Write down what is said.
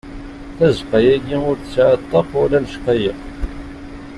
Tazeqqa-agi ur tesɛa ṭṭaq wala lecqayeq.